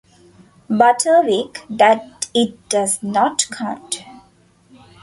Butterwick that it does not count.